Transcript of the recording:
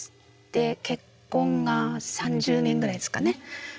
で結婚が３０年ぐらいですかね。